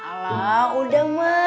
alah udah ma